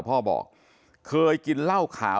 พ่อบอกเคยกินเหล้าขาว